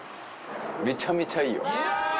めちゃめちゃいいよ。